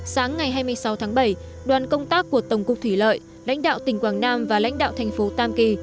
sáng ngày hai mươi sáu tháng bảy đoàn công tác của tổng cục thủy lợi lãnh đạo tỉnh quảng nam và lãnh đạo thành phố tam kỳ